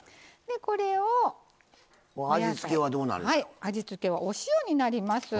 味付けはお塩になります。